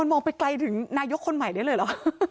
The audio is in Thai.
มันมองไปไกลถึงนายกคนใหม่นี่เลยหรือ